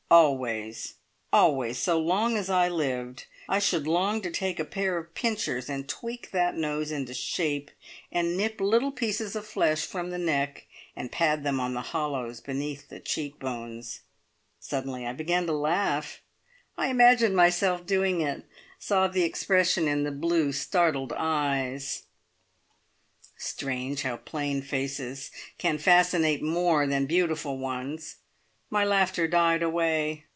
Always, always, so long as I lived, I should long to take a pair of pincers and tweak that nose into shape, and nip little pieces of flesh from the neck, and pad them on the hollows beneath the cheek bones. Suddenly I began to laugh. I imagined myself doing it saw the expression in the blue, startled eyes. Strange how plain faces can fascinate more than beautiful ones! My laughter died away.